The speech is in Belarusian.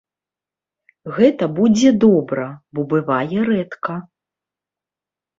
Гэта будзе добра, бо бывае рэдка.